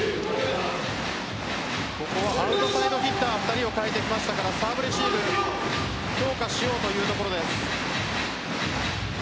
ここはアウトサイドヒッター２人を代えてきましたがサーブレシーブ強化しようというところです。